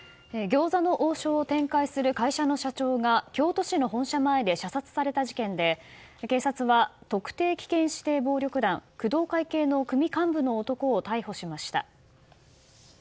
餃子の王将を展開する会社の社長が京都市の本社前で射殺された事件で警察は特定危険指定暴力団工藤会系の組幹部の男を逮捕しました。